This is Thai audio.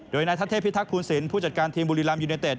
โดยนายทัศเทพิทักษูนศิลปผู้จัดการทีมบุรีรัมยูเนเต็